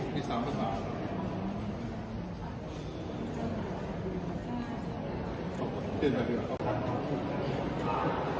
มี๓ภาษา